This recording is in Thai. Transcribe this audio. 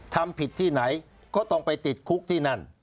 ทำผิดที่ไหนก็ต้องไปติดคุกที่นั่น